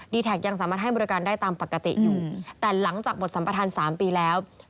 ได้ตามปกติอยู่แต่หลังจากหมดสัมประธาน๓ปีแล้ว